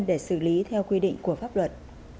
để xử lý theo quy định của pháp luật